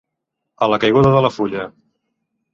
A la caiguda de la fulla.